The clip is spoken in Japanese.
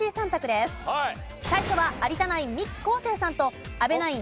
最初は有田ナインミキ昴生さんと阿部ナイン